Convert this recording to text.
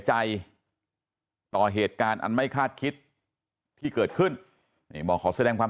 ใจต่อเหตุการณ์อันไม่คาดคิดที่เกิดขึ้นนี่บอกขอแสดงความ